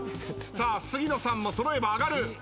杉野さんも揃えば上がる。